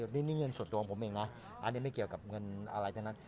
นี่เงินส่วนตัวของผมเองนะอันนี้ไม่เกี่ยวกับเงินอะไรทั้งนั้น